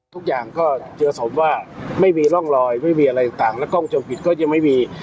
ทุกอย่างก็เจอศพว่าไม่มีร่องรอยไม่มีอะไรต่างและกล้องจมปิดก็ยังไม่มี